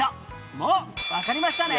もうわかりましたね